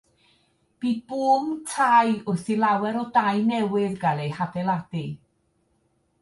Bu bŵm tai wrth i lawer o dai newydd gael eu hadeiladu.